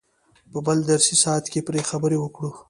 په بل درسي ساعت کې پرې خبرې وکړئ.